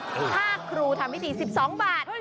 ถ้าครูทำพิธี๑๒บาท